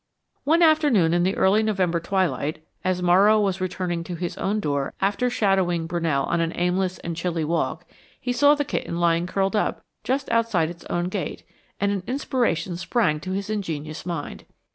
One afternoon in the early November twilight, as Morrow was returning to his own door after shadowing Brunell on an aimless and chilly walk, he saw the kitten lying curled up just outside its own gate, and an inspiration sprang to his ingenious mind.